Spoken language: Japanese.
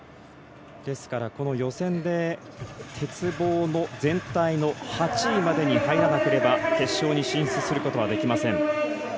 ですからこの予選で鉄棒の全体の８位までに入らなければ決勝に進出することはできません。